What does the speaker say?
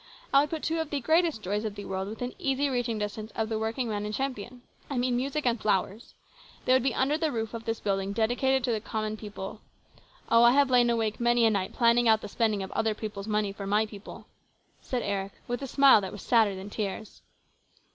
I would put two of the greatest joys of the world within easy reaching distance of every working man in Champion : I mean music and flowers. They would be under the roof of this building dedicated to the common people. Oh, I have lain awake many a night planning out the spending of other people's money for my people !" said Eric, with a smile that was sadder than tears.